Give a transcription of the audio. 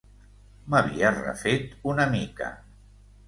M'havia refet una mica.